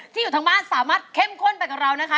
อยู่ทางบ้านสามารถเข้มข้นไปกับเรานะคะ